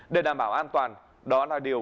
để đảm bảo an toàn đó là điều